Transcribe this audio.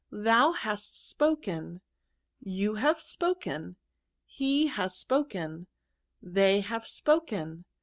Hiou hast spoken. Ton have spoken. He has spoken* Thej have spoken.